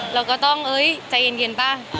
เราก็ต้องเอ้ยใจเอ็นเย็นป่ะ